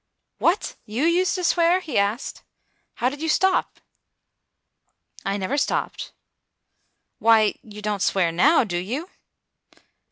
"What! you used to swear?" he asked. "How did you stop?" "I never stopped." "Why, you don't swear now, do you?"